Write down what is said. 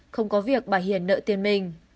không có việc bà hiền nợ tiền mình